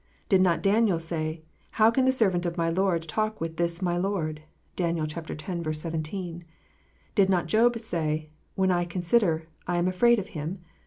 Did not Daniel say, "How can the servant of my Lord talk with this my Lord "? (Dan. x. 17.) Did not Job say, "When I consider, I am afraid of Him